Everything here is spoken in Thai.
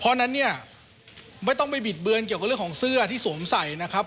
เพราะงั้นเนี่ยไม่ต้องอย่าไปบิดเบือนเรื่องของเสื้อที่สวมใสนะครับ